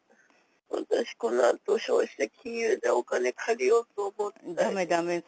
私、このあと消費者金融でお金を借りようと思って。